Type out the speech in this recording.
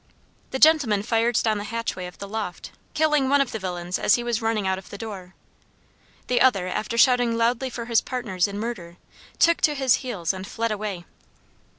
The gentleman fired down the hatchway of the loft, killing one of the villains as he was running out of the door. The other, after shouting loudly for his partners in murder, took to his heels and fled away.